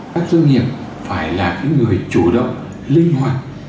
các doanh nghiệp phải là những người chủ động linh hoạt